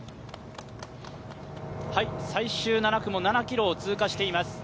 最終７区も７ｋｍを通過しています。